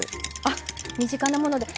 あ身近なもので。